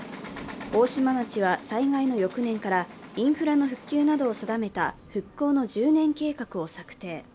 大島町は災害の翌年からインフラの復旧などを定めた復興の１０年計画を策定。